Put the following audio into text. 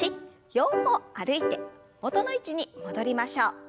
４歩歩いて元の位置に戻りましょう。